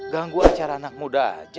ganggu acara anak muda aja